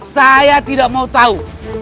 saya tidak mau tau